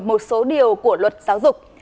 một số điều của luật giáo dục